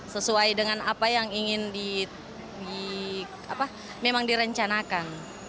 sesuai dengan apa yang ingin direncanakan